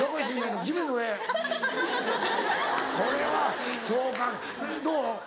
これはそうかどう？